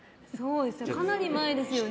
かなり前ですよね。